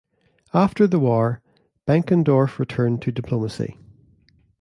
After the war, Benckendorff returned to diplomacy.